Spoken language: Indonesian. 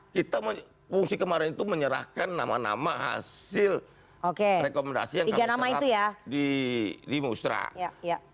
kita fungsi kemarin itu menyerahkan nama nama hasil rekomendasi yang kami serap di musrah